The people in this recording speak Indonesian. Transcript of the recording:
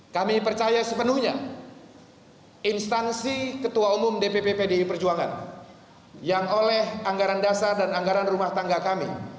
kami percaya sepenuhnya instansi ketua umum dpp pdi perjuangan yang oleh anggaran dasar dan anggaran rumah tangga kami